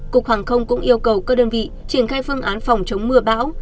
cục hàng không cũng yêu cầu các đơn vị triển khai phương án phòng chống mưa bão